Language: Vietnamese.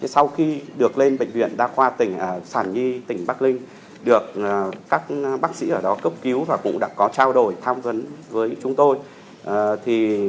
sau khi được lên bệnh viện đa khoa tỉnh sản nhi tỉnh bắc ninh được các bác sĩ ở đó cấp cứu và cụ đã có trao đổi tham vấn với chúng tôi